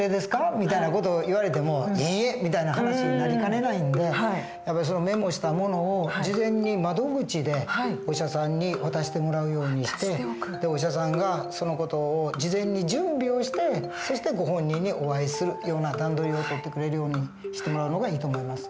みたいな事を言われても「いいえ」みたいな話になりかねないんでメモしたものを事前に窓口でお医者さんに渡してもらうようにしてお医者さんがその事を事前に準備をしてそしてご本人にお会いするような段取りを取ってくれるようにしてもらうのがいいと思います。